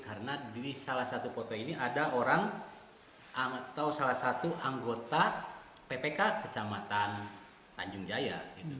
karena di salah satu foto ini ada orang atau salah satu anggota ppk kecamatan tanjung jaya